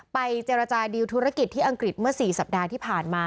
เจรจาดีลธุรกิจที่อังกฤษเมื่อ๔สัปดาห์ที่ผ่านมา